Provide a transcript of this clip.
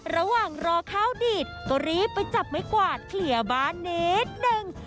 ระหว่างรอข้าวดิตก็รีบไปจับไหมกวาดเขลี่ยบานนิดหนึ่ง